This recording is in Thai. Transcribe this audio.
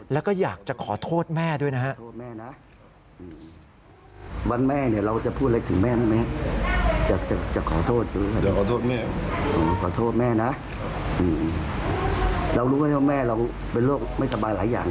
แล้วก็อยากจะขอโทษแม่ด้วยนะฮะ